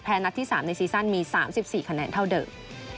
นัดที่๓ในซีซั่นมี๓๔คะแนนเท่าเดิม